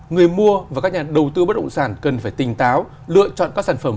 người mua và các nhà đầu tư bất động sản cần phải tỉnh táo lựa chọn các sản phẩm